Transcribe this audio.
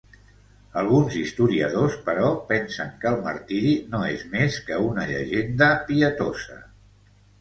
Alguns historiadors, però, pensen que el martiri no és més que una llegenda pietosa.